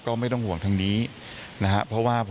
ก็ไม่ต้องห่วงทั้งนี้นะครับ